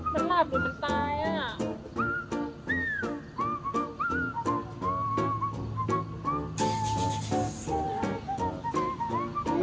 มันหลับหรือมันตายอ่ะ